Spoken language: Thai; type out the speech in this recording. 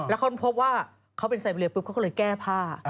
แล้วเขาพบว่าเขาเป็นไซเบรียปุ๊บเขาก็เลยแก้ผ้า